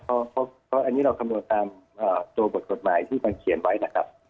เพราะอันนี้เราคำนวณตามตัวบทกฎหมายที่มันเขียนไว้นะครับ